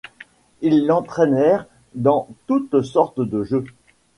Ils l’entraînèrent dans toutes sortes de jeux.